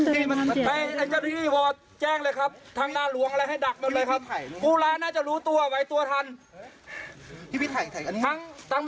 ตอนนี้พี่คิดว่ายังไงคะพี่อ่าพี่มันคิดว่าจากสภาพส่งนี้น้อง